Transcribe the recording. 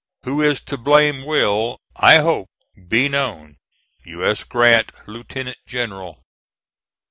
Who is to blame will, I hope, be known. U. S. GRANT, Lieutenant General.